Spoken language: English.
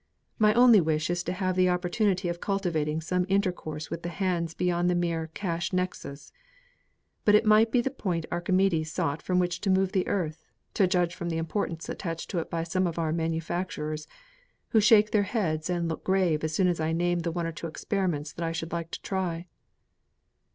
My only wish is to have the opportunity of cultivating some intercourse with the hands beyond the mere 'cash nexus.' But it might be the point Archimedes sought from which to move the earth, to judge by the importance attached to it by some of our manufacturers, who shake their heads and look grave as soon as I name the one or two experiments that I should like to try."